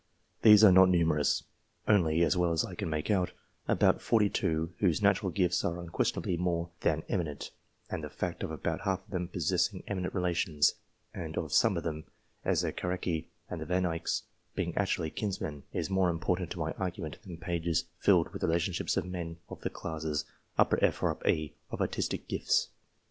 These are not numerous only, as well as I can make out, about forty two, whose natural gifts are unquestionably more than " eminent ;" and the fact of about half of them possessing eminent relations, and of some of them, as the Caracci and the Yan Eycks, being actually kinsmen, is more important to my argument than pages filled with the relationships of men of the classes F or E of artistic gifts.